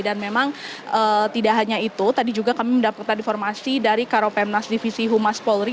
dan memang tidak hanya itu tadi juga kami mendapatkan informasi dari karopemnas divisi humas polri